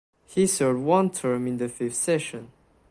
He served one term in the Fifth Session.